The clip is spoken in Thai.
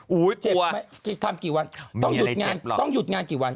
โอ้โฮเจ็บไหมทำกี่วันต้องหยุดงานกี่วันมีอะไรเจ็บหรอก